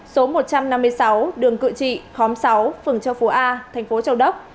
số một trăm năm mươi sáu đường cự trị khóm sáu phường châu phú a thành phố châu đốc